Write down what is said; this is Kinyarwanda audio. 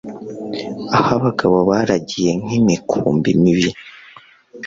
aho abagabo baragiye nk'imikumbi mibi